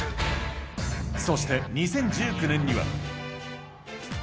そして２０１９年には。